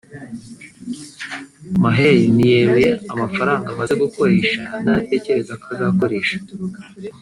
Maher ntiyeruye amafaranga amaze gukoresha n’ayo atekereza ko azakoresha